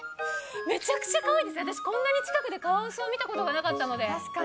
めちゃくちゃかわいいですね、私、こんなに近くでカワウソを見たことがなかったので。